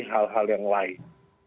hal hal yang lain